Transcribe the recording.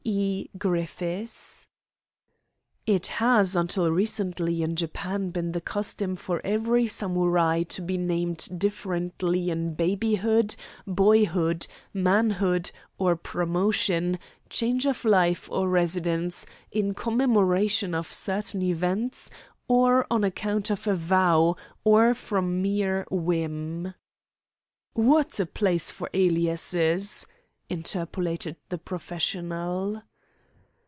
E. Griffis: "It has, until recently, in Japan been the custom for every Samurai to be named differently in babyhood, boyhood, manhood, or promotion, change of life, or residence, in commemoration of certain events, or on account of a vow, or from mere whim." "What a place for aliases!" interpolated the professional.